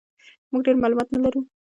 موږ ډېر معلومات نه لرو.